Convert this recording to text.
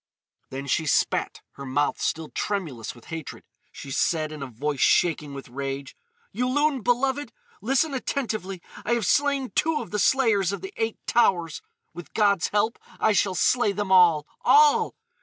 Then she spat, her mouth still tremulous with hatred. She said in a voice shaking with rage: "Yulun, beloved! Listen attentively. I have slain two of the Slayers of the Eight Towers. With God's help I shall slay them all—all!